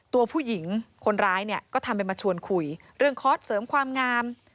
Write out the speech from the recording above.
ตัวผู้หญิงคนร้ายเนี่ยก็ทำเป็นมาชวนคุยเรื่องคอร์สเสริมความงาม